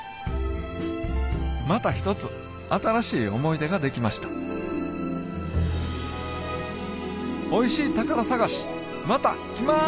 ・また一つ新しい思い出ができましたおいしい宝探しまた来ます！